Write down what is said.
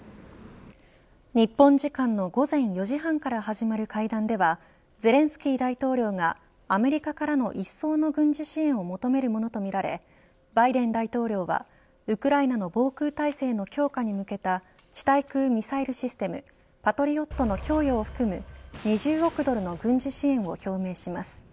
日本時間の午前４時半から始まる会談ではゼレンスキー大統領がアメリカからのいっそうの軍事支援を求めるとみられバイデン大統領はウクライナの防空体制の強化に向けた地対空ミサイルシステムパトリオットの供与を含む２０億ドルの軍事支援を表明します。